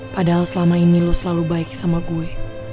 padahal selama ini lo selalu baik sama gue